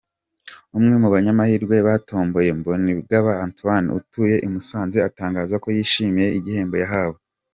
Umwe mu banyamahirwe batomboye , Mbonigaba Antoine, utuye i Musanze, atangaza ko yishimiye igihembo yahawe.